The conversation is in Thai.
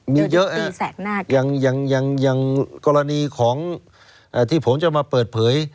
มีเยอะยังอย่างกรณีของที่ผมจะมาเปิดเผย